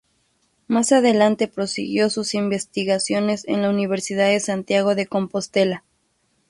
Más adelante prosiguió sus investigaciones en la Universidad de Santiago de Compostela.